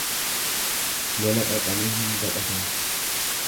Lola dhaqani hin baqatan.